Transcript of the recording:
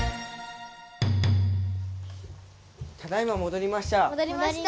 ただいま戻りました！